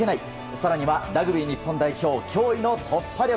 更には、ラグビー日本代表驚異の突破力。